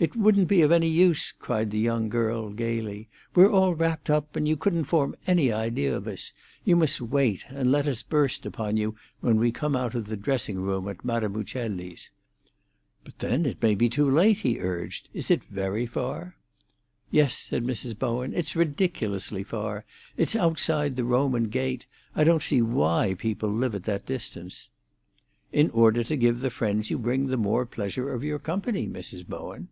"It wouldn't be of any use," cried the young girl gaily. "We're all wrapped up, and you couldn't form any idea of us. You must wait, and let us burst upon you when we come out of the dressing room at Madame Uccelli's." "But then it may be too late," he urged. "Is it very far?" "Yes," said Mrs. Bowen. "It's ridiculously far. It's outside the Roman Gate. I don't see why people live at that distance." "In order to give the friends you bring the more pleasure of your company, Mrs. Bowen."